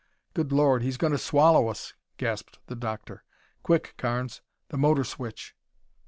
"Good Lord, he's going to swallow us!" gasped the doctor. "Quick, Carnes, the motor switch."